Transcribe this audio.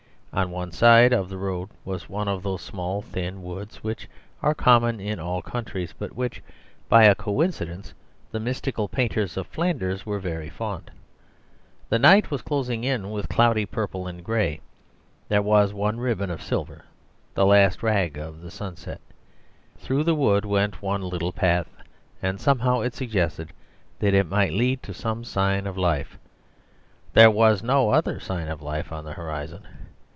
On one side of the road was one of those small, thin woods which are common in all countries, but of which, by a coincidence, the mystical painters of Flanders were very fond. The night was closing in with cloudy purple and grey; there was one ribbon of silver, the last rag of the sunset. Through the wood went one little path, and somehow it suggested that it might lead to some sign of life there was no other sign of life on the horizon.